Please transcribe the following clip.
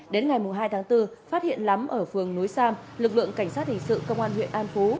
đến ngày hai tháng bốn phát hiện lắm ở phường núi sam lực lượng cảnh sát hình sự công an huyện an phú